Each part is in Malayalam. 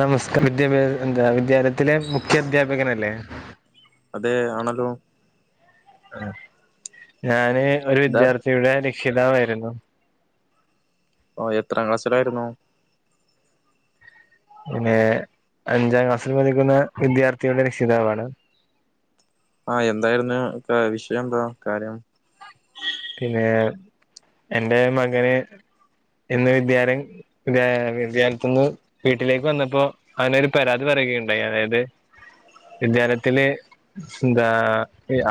നമസ്ക്ക വിദ്യാഭ്യാസ എന്താ വിദ്യാലയത്തിലെ മുഖ്യ അധ്യാപകനല്ലെ അതെ ആണല്ലോ ഞാന് ഒരു എന്താ വിദ്യാർത്ഥിയുടെ രക്ഷിതാവായിരുന്നു ഓ എത്രാം ക്ലാസ്സിലായിരുന്നു പിന്നെ അഞ്ചാം ക്ലാസ്സിൽ പഠിക്കുന്ന വിദ്യാർത്ഥിയുടെ രക്ഷിതാവാണ് ആഹ് എന്തായിരുന്നു വിഷയം ന്താ കാര്യം പിന്നെ എന്റെ മകന് ഇന്ന് വിദ്യാ ഇന്ന് വിദ്യാലയത്തിന്ന് വീട്ടിലേക്ക് വന്നപ്പൊ അവനൊരു പരാതി പറയുകയുണ്ടായി അതായത് വിദ്യാലയത്തില് എന്താ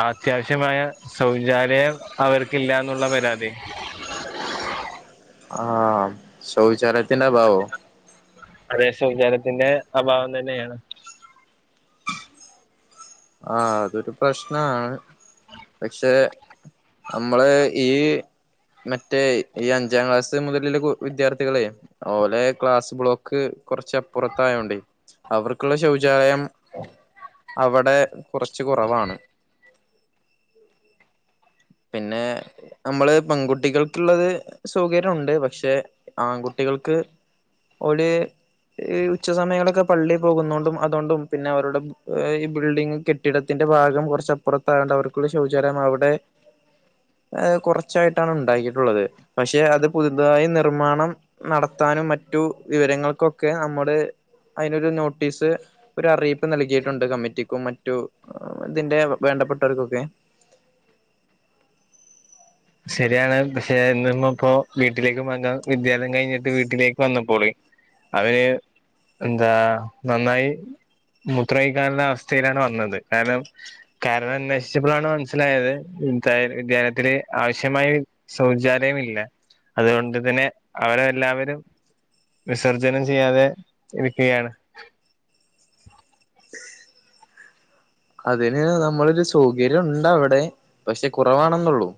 അത്യാവശ്യമായ സൗചാലയ അവർക്കില്ലന്നുള്ള പരാതി ആ സൗചാലയത്തിന്റെ അബാവോ അതേ സൗചാലയത്തിന്റെ അഭാവം തന്നെയാണ് ആ അതൊരു പ്രശ്നമാണ് പക്ഷെ നമ്മള് ഈ മറ്റേ ഈ അഞ്ചാം ക്ലാസ് മുതലുള്ള വിദ്യാർത്ഥികളെ ഓലെ ക്ലാസ് ബ്ലോക്ക് കുറച്ച് അപ്പുറത്തായോണ്ട് അവർക്കുള്ള ശൗചാലയം അവിടെ കുറച്ച് കുറവാണ് [inaudible] പിന്നെ മ്മള് പെൺകുട്ടികൾക്കുള്ളത് സൗകര്യംണ്ട് പക്ഷെ ആൺകുട്ടികൾക്ക് ഒടെ ഈ ഉച്ച സമയങ്ങളൊക്കെ പള്ളിയിൽ പോകുന്നണ്ടും അതുകൊണ്ടും പിന്നെ അവരുടെ ഈ ബിൽഡിങ് കെട്ടിടത്തിന്റെ ഭാഗം കുറച്ചപ്പുറത്തായോണ്ട് അവർക്കുള്ള ശൗചാലയം അവിടെ ഏ കുറച്ചായിട്ടാണ് ഉണ്ടാക്കിയിട്ടുള്ളത് പക്ഷെ അത് പുതുതായി നിർമ്മാണം നടത്താനും മറ്റു വിവരങ്ങൾക്കൊക്കെ നമ്മുടെ അതിനൊരു നോട്ടീസ് ഒരു അറിയിപ്പ് നൽകിയിട്ടുണ്ട് കമ്മിറ്റിക്കും മറ്റ് രൂ തിന്റെ വേണ്ടപ്പെട്ടവർക്കൊക്കെ ശരിയാണ് പക്ഷെ എന്നമ്മ ഇപ്പോ വീട്ടിലേക്ക് വ വിദ്യാലയം കഴിഞ്ഞിട്ട് വീട്ടിലേക്ക് വന്നപ്പോളി അവന് എന്താ നന്നായി മുത്രയ്കാള്ള അവസ്ഥയിലാണ് വന്നത് കാരണം കാരണം അന്വേഷിച്ചപ്പളാണ് മനസ്സിലായത് ഇ വിദ്യാ വിദ്യാലയത്തില് ആവശ്യമായ സൗചാലയമില്ല അതുകൊണ്ട് തന്നെ അവരെല്ലാവരും വിസർജനം ചെയ്യാതെ ഇരിക്കുകയാണ് അതിന് നമ്മളൊരു സൗകര്യം ഉണ്ടവിടെ പക്ഷെ കുറവാണെന്നൊള്ളൂ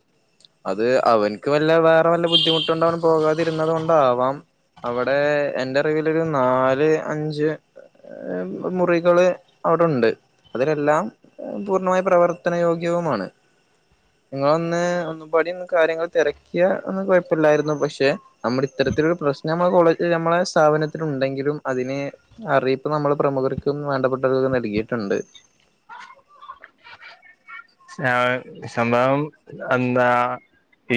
അത് അവൻക്ക് വല്ല വേറെ വല്ല ബുദ്ധിമുട്ട് പോകാതിരുന്നത് കൊണ്ടാവാം അവിടെ എന്റെ അറിവിിലരു നാല് അഞ് ഞ്ച് മുറികൾ അവിടെണ്ട് അതിനലെല്ലാം പൂർണ്ണമായി പ്രവർത്തന യോഗ്യവുമാണ് നിങ്ങളൊന്ന് ഒന്നുംപാടി ഒന്ന് കാര്യങ്ങൾ തിരക്കിയാ ഒന്ന് കുഴപ്പല്ലായിരുന്നു പക്ഷെ നമ്മുടെ ഇത്തരത്തിലൊരു പ്രശ്നം നമ്മളജ നമ്മളെ സ്ഥാപനത്തി ഉണ്ടെങ്കിലും അതിനെ അറിയിപ്പ് നമ്മള് പ്രമുഖർക്കും വേണ്ടപ്പെട്ടവർക്കക്കും നൽകിയിട്ടുണ്ട് [inaudible] സംഭവം എന്താ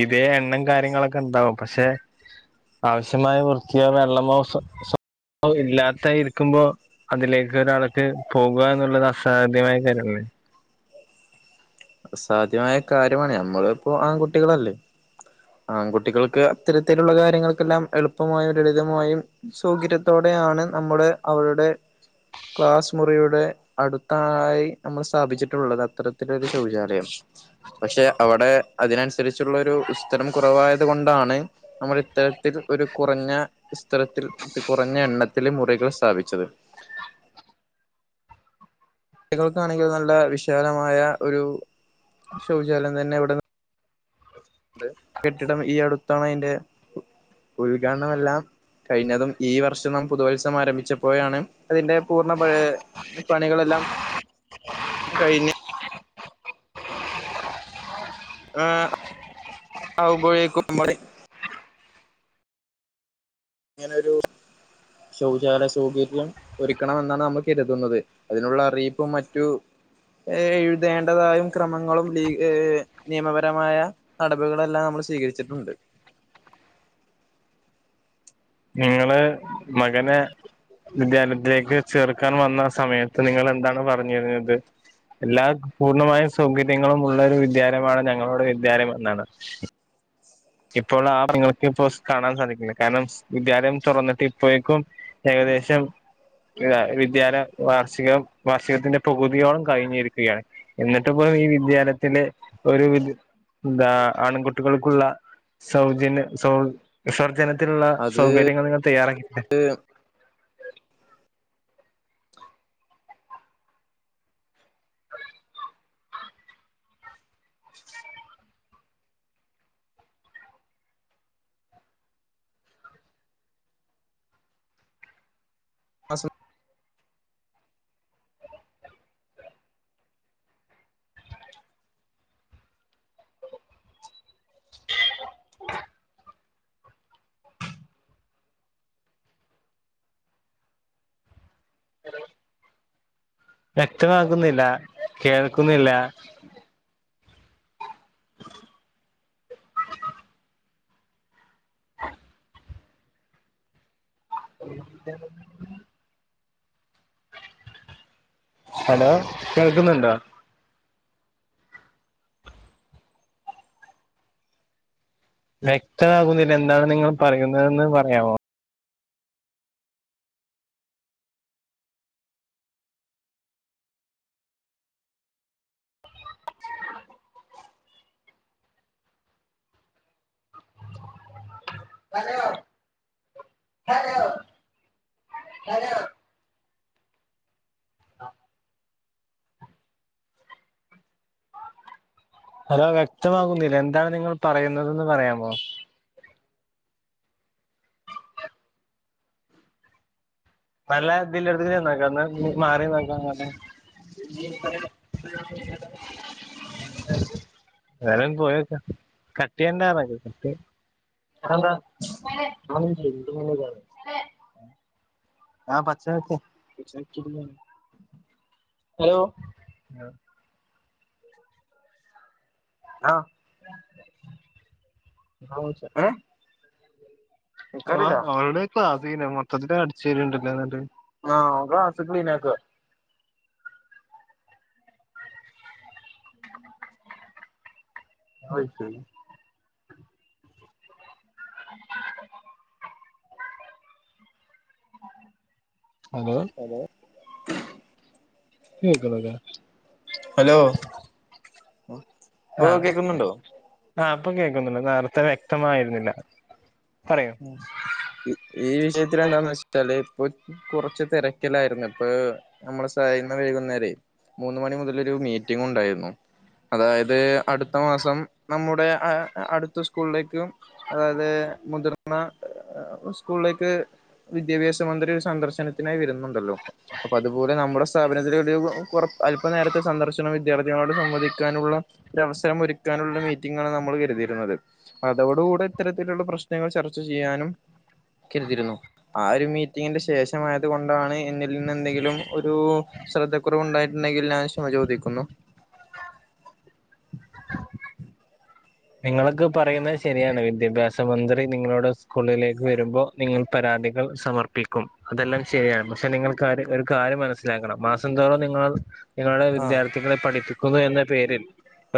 ഇതേ എണ്ണം കാര്യങ്ങളൊക്കെണ്ടാവും പക്ഷെ ആവശ്യമായ വൃത്തിയോ വെള്ളമോ സവ് സവ് ഇല്ലാത്ത ഇരിക്കുമ്പോ അതിലേക്ക് ഒരാൾക്ക് പോകുക എന്നുള്ളത് അസാധ്യമായ കാര്യമല്ലേ അസാധ്യമായ കാര്യമാണ് നമ്മളിപ്പോ ആൺകുട്ടികളല്ലേ ആൺകുട്ടികൾക്ക് അത്തരത്തിലുള്ള കാര്യങ്ങൾക്കെല്ലാം എളുപ്പമായും ലളിതമായും സൗകര്യത്തോടെയാണ് നമ്മുടെ അവരുടെ ക്ലാസ് മുറിയുടെ അടുത്തായി നമ്മൾ സ്ഥാപിച്ചിട്ടുള്ളത് അത്തരത്തിലൊരു ശൗചാലയം പക്ഷെ അവിടെ അതിനനുസരിച്ചുള്ള ഒരു സ്ഥലം കുറവായത് കൊണ്ടാണ് നമ്മൾ ഇത്തരത്തിൽ ഒരു കുറഞ്ഞ സ്ഥലത്തിൽ കുറഞ്ഞ എണ്ണത്തിലെ മുറികൾ സ്ഥാപിച്ചത് കുട്ടികൾക്കാണെങ്കിൽ നല്ല വിശാലമായ ഒരു ശൗചാലയം തന്നെ ഇവിടെ കെട്ടിടം ഈ അടുത്താണ് അതിന്റെ ഉദ്ഘാടനെല്ലാം കഴിഞ്ഞതും ഈ വർഷം നാം പുതുവത്സവം ആരംഭിച്ചപ്പോയാണ് അതിന്റെ പൂർണ്ണ പഴയ പണികളെല്ലാം കഴിഞ്ഞ ആ ആവുമ്പോഴേക്കും മ്മള് അങ്ങനൊരു ശൗചാലയ സൗകര്യം ഒരുക്കണമെന്നാന്ന് നമ്മൾ കെരുതുന്നത് അതിനുള്ള അറിയിപ്പും മറ്റു ഏഹ് എഴുതേണ്ടതായും ക്രമങ്ങളും ലീ അ് നിയമപരമായ നടപികളെല്ലാം നമ്മള് സ്വീകരിച്ചിട്ടുണ്ട് നിങ്ങള് മകനെ വിദ്യാലയത്തിലേക്ക് ചേർക്കാൻ വന്നാ സമയത്ത് നിങ്ങളെന്താണ് പറഞ്ഞിരുന്നത് എല്ലാ പൂർണ്ണമായ സൗകര്യങ്ങളും ഉള്ളൊരു വിദ്യാലയമാണ് ഞങ്ങളുടെ വിദ്യാലയം എന്നാണ് ഇപ്പോളാ നിങ്ങള്ക്കിപ്പോ സ് കാണാൻ സാധിക്കില്ല കാരണം വിദ്യാലയം തൊറന്നിട്ടിപ്പോഴേക്കും ഏകദേശം അ് അ വിദ്യാലയ വാർഷികം വാർഷികത്തിന്റെ പൊകുതിയോളം കഴിഞ്ഞിരിക്കുകയാണ് എന്നട്ടിപ്പൊ ഈ വിദ്യാലയത്തിലെ ഒരു വിദ് എന്താ ആണ്ങ്കുട്ടികള്ക്കുള്ള സൗജന്യ സൗ വിസർജ്ജനത്തിനുള്ള അത് സൗകര്യങ്ങൾ നിങ്ങൾ തയ്യാറാക്കീട്ടില്ലേ വാസ് [inaudible] ഹലോ വ്യക്തമാകുന്നില്ലാ കേൾക്കുന്നില്ലാ [unintelligible] വിദ്യാലയങ്ങളില് ഹലോ കേൾക്കുന്നുണ്ടോ വ്യക്തമാകുന്നില്ല എന്താണ് നിങ്ങൾ പറയുന്നതെന്ന് പറയാവോ ഹലോ ഹലോ ഹലോ ആഹ് ഹലോ വ്യക്തമാകുന്നില്ല എന്താണ് നിങ്ങൾ പറയുന്നതെന്ന് പറയാമോ നല്ല ഇതില് [unintelligible] ഉം മാറി നോക്കാ [unintelligible] [unintelligible] വേണെയൊന്ന് പോയോക്ക കട്ടിയ്യണ്ട [inaudible] കട്ട് അതെന്താ വേറെ [inaudible] ഗുണ്ടുമൊളകാണ് ആഹ് പക്ഷേ [unintelligible] ഹലോ ആഹ് ആഹ് [inaudible] ഏഹ് കേക്ക്ണില്ല്യാ അവൾടെ ക്ലാസീനെ മൊത്തത്തില് അടിച്ചേരിണ്ടല്ലോ എന്നട്ട് ആഹ് ഓൻ ക്ലാസ്സ് ക്ലീനാക്ക്ആ അയ്ശരി [inaudible] ഹലോ കേക്ക്ണില്ല്യ കേൾക്കണില്ലേ ഹലോ ഇപ്പോ ആഹ് കേക്കുന്നുണ്ടോ ആഹ് ഇപ്പം കേക്കുന്നുണ്ട് നേരത്തെ വ്യക്തമായിരുന്നില്ല പറയൂ ഇ ഈ വിഷയത്തിലെന്താന്ന് വെച്ച് ചാല് ഇപ്പൊര് കൊറച്ച് തിരക്കിലായിരുന്നു ഇപ്പോ നമ്മള് സായിന്ന് വൈകുന്നേരേ മൂന്ന് മണി മുതലൊരു മീറ്റിങ്ങുണ്ടായിരുന്നു അതായത് അടുത്ത മാസം നമ്മുടെ ആഹ് അടുത്ത സ്കൂളിലേക്കും അതായത് മുതിർന്ന അ് ഉസ്കൂളിലേക്ക് വിദ്യാഭ്യാസ മന്ത്രി ഒരു സന്ദർശനത്തിനായി വെരുന്നുണ്ടല്ലോ അപ്പതുപോലെ നമ്മുടെ സ്ഥാപനത്തിലൊരു കൊ കൊറ അല്പനേരത്തെ സന്ദർശനം വിദ്യാർത്ഥികളോട് സംവദിക്കാനുള്ള ഒരവസരം ഒരുക്കാനുള്ള മീറ്റിങ്ങാണ് നമ്മൾ കെരുതിയിരുന്നത് അതോടു കൂടെ ഇത്തരത്തിലുള്ള പ്രശ്നങ്ങൾ ചർ ച്ച ചെയ്യാനും കെരുതിയിരുന്നു ആഹ് ഒരു മീറ്റിങ്ങിന്റെ ശേഷമായത് കൊണ്ടാണ് എന്നിൽ നിന്നെന്തെങ്കിലും ഒരു ശ്രദ്ധ കുറവുണ്ടായിട്ടുണ്ടെങ്കിൽ ഞാൻ ക്ഷമ ചോദിക്കുന്നു നിങ്ങളക്ക് പറയുന്നത് ശരിയാണ് വിദ്യഭ്യാസ മന്ത്രി നിങ്ങളോട് സ്കൂളിലേക്ക് വരുമ്പോ നിങ്ങൾ പരാതികൾ സമർപ്പിക്കും അതെല്ലാം ശരിയാണ് പക്ഷെ നിങ്ങൾക്കാര് ഒരു കാര്യം മനസ്സിലാക്കണം മാസം തോറും നിങ്ങൾ ഞങ്ങളുടെ ആഹ് വിദ്യാർത്ഥികളെ പഠിപ്പിക്കുന്നു എന്ന പേരിൽ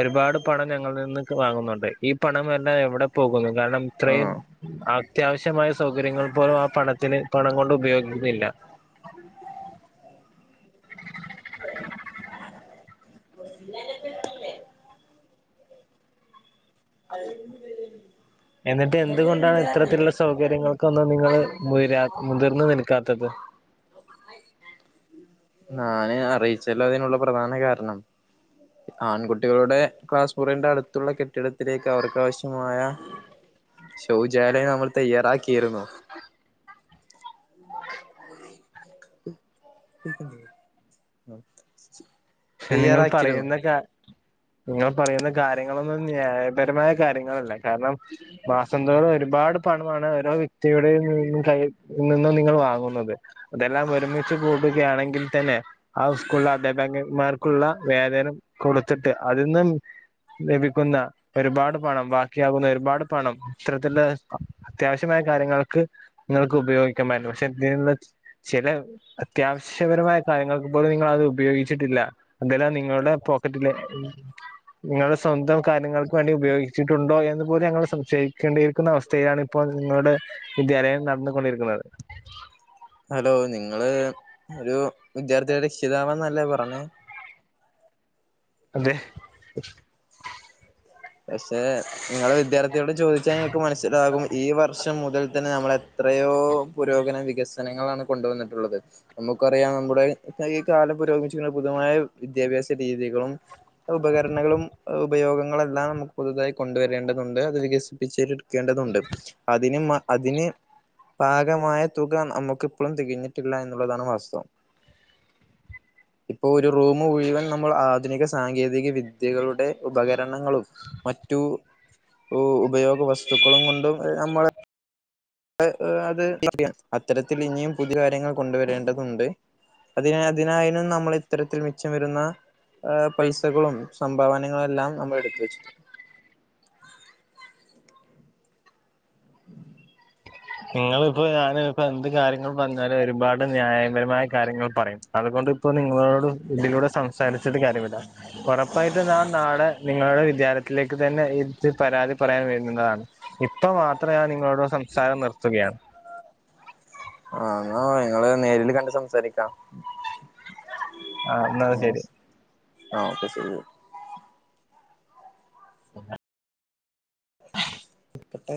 ഒരുപാട് പണം ഞങ്ങളിൽ നിന്ന് വാങ്ങുന്നുണ്ട്. ഈ പണം എല്ലാം എവിടെ പോകുന്നു കാരണം ഇത്രേം ആഹ് അത്യാവശ്യമായ സൗകര്യങ്ങൾ പോലും ആ പണത്തിന് പണം കൊണ്ട് ഉപയോഗിക്കുന്നില്ല എന്നിട്ട് എന്തുകൊണ്ടാണ് ഇത്തരത്തിലുള്ള സൗകര്യങ്ങൾക്കൊന്നും നിങ്ങള് മുയരാ മുതിർന്ന് നിൽക്കാത്തത് ഞാന് അറീച്ചല്ലോ അതിനുള്ള പ്രധാന കാരണം ആൺകുട്ടികളുടെ ക്ലാസ് മുറിന്റെ അടുത്തുള്ള കെട്ടിട ത്തിലേക്ക് അവർക്കാവശ്യമായ ശൗചാലയം നമ്മൾ തയ്യാറാക്കിയിരുന്നു. പക്ഷെ നിങ്ങൾ തയ്യാറാക്കിയിരുന്നു പറയുന്ന കാ നിങ്ങൾ പറയുന്ന കാര്യങ്ങളൊന്നും ന്യായപരമായ കാര്യങ്ങളല്ല കാരണം മാസംന്തോറും ഒരുപാട് പണമാണ് ഓരോ വ്യക്തിയുടേയും നിന്നും കൈയി നിന്നും നിങ്ങൾ വാങ്ങുന്നത് അതെല്ലാം ഒരുമിച്ച് കൂടുകയാണെങ്കിൽ തന്നെ ആ സ്കൂളിലെ അദ്ധ്യാപകന്മാർ ക്കുള്ള വേതനം കൊടുത്തിട്ട് അതിന്നും ലഭിക്കുന്ന ഒരുപാട് പണം ബാക്കിയാകുന്ന ഒരുപാട് പണം ഇത്തരത്തില്ള്ളെ സ്ഥ അത്യാവശ്യമായ കാര്യങ്ങൾക്ക് നിങ്ങൾക്ക് ഉപയോഗിക്കാമായിര്ന്നു പക്ഷെ തീന്ന് ചില അത്യാവശ്യപരമായ കാര്യങ്ങൾക്ക് പോലും നിങ്ങളത് ഉപയോഗിച്ചിട്ടില്ല അതെല്ലാം നിങ്ങളുടെ പോക്കറ്റിലെ നിങ്ങളുടെ സ്വന്തം കാര്യങ്ങൾക്ക് വേണ്ടി ഉപയോഗിച്ചി ട്ടുണ്ടോ എന്ന് പോലും ഞങ്ങൾ സംശയിക്കേണ്ടിയിരിക്കുന്ന അവസ്ഥയിലാണ് ഇപ്പോൾ നിങ്ങളുടെ വിദ്യാലയം നടന്നുകൊണ്ടിരിക്കുന്നത് ഹലോ നിങ്ങള് ഒരു വിദ്യാർത്ഥിയുടെ രക്ഷിതാവെന്നല്ലേ പറഞ്ഞേ അതെ പക്ഷെ ഇങ്ങളെ വിദ്യാർത്ഥിയോട് ചോദിച്ചാൽ നിങ്ങക്ക് മനസ്സിലാകും ഈ വർഷം മുതൽ തന്നെ നമ്മൾ എത്രയോ പുരോഗന വികസനങ്ങളാണ് കൊണ്ടുവന്നിട്ടുള്ളത് നമുക്കറിയാം നമ്മുടെ ഈ കാലം പുരോഗിച്ചുന്ന പൊതുവമായ വിദ്യാഭ്യാസ രീതികളും ഉപകരണങ്ങളും ഉപയോഗങ്ങളെല്ലാം നമുക്ക് പുതുതായി കൊണ്ടുവരേണ്ടതുണ്ട് അത് വികസിപ്പിച്ചേലെട് ക്കേണ്ടതുണ്ട് അതിന് മാ അതിന് പാകമായ തുക അമ്മക്ക് ഇപ്പളും തികഞ്ഞിട്ടില്ല എന്നുള്ളതാണ് വാസ്തവം. ഇപ്പൊ ഒരു റൂമ് മുഴുവൻ നമ്മൾ ആധുനിക സാങ്കേതിക വിദ്യകളുടെ ഉപകരണങ്ങളും മറ്റു ഉ ഉപയോഗ വസ്തുക്കളും കൊണ്ടും നമ്മളെ അത് [inaudible] അത്തരത്തിൽ ഇനിയും പുതിയ കാര്യങ്ങൾ കൊണ്ടുവരേണ്ടതുണ്ട് അതിനാ അതിനായാലും നമ്മൾ ഇത്തരത്തിൽ മിച്ചം വരുന്ന ഏ പൈസകളും സംഭാവനകളും എല്ലാം നമ്മൾ എടുത്ത് വെച്ചു നിങ്ങള്പ്പോ ഞാന് ഇപ്പൊ എന്ത് കാര്യങ്ങൾ പറഞ്ഞാലും ഒരുപാട് ന്യായപരമായ കാര്യങ്ങൾ പറയും അതുകൊണ്ട് ഇപ്പൊ നിങ്ങളോട് ഇതിലൂടെ സംസാരിച്ചിട്ട് കാര്യമില്ല ഒറപ്പായിട്ടും ഞാൻ നാളെ നിങ്ങളുടെ വിദ്യാലയ ത്തിലേക്ക് തന്നെ ഇത് പരാതി പറയാൻ വരുന്നതാണ് ഇപ്പം മാത്രം ഞാൻ നിങ്ങളോട് സംസാരം നിർ ത്തുകയാണ്. ആഹ് ന്നാവാ നിങ്ങള് നേരില് കണ്ട് സംസാരിക്കാം ആഹ് എന്നാത് ശെരി ആഹ് ഓക്കെ ശരി വെക്കട്ടെ